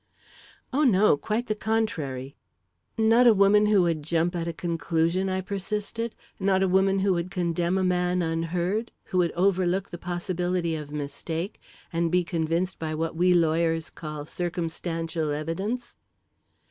"Oh, no! Quite the contrary." "Not a woman who would jump at a conclusion?" I persisted. "Not a woman who would condemn a man unheard who would overlook the possibility of mistake and be convinced by what we lawyers call circumstantial evidence?"